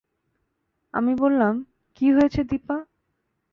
আমি বললাম, কী হয়েছে দিপা?